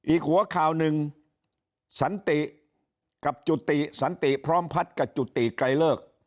อีกหัวข่าวหนึ่งสันติกับจุติสันติพร้อมพัฒน์กับจุติไกลเลิก